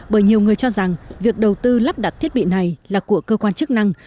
bởi nhiều người cho rằng việc đầu tư lắp đặt thiết bị này là của cơ quan chức năng